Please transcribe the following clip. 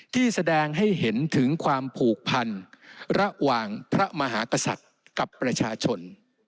ที่แสดงให้เห็นถึงความผูกพันระหว่างพระมหากษัตริย์กับประชาชน